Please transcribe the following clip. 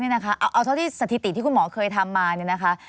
เอาเท่าที่สถิติที่คุณหมอเคยทำมา